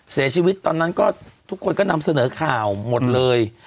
เสียชีวิตตอนนั้นก็ทุกคนก็นำเสนอข่าวหมดเลย